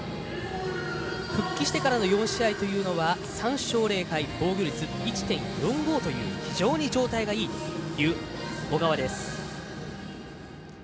復帰してからの４試合というのは３勝０敗、防御率１．４５という非常に状態がいいという小川です。